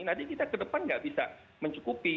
nanti kita ke depan nggak bisa mencukupi